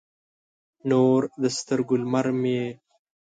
نور د سترګو، لمر مې یې